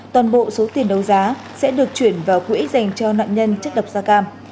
toàn bộ số tiền đấu giá sẽ được chuyển vào quỹ dành cho nạn nhân chất độc da cam